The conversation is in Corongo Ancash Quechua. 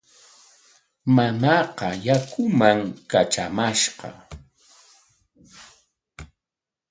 Mamaaqa yakuman katramashqa.